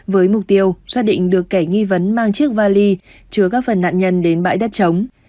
với mục tiêu xác định được kẻ nghi vấn mang chiếc vali chứa các phần nạn nhân đến bãi đất trống